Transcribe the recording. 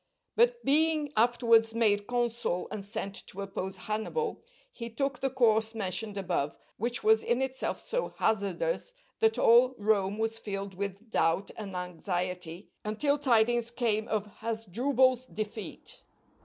But being afterwards made consul and sent to oppose Hannibal, he took the course mentioned above, which was in itself so hazardous that all Rome was filled with doubt and anxiety until tidings came of Hasdrubal's defeat.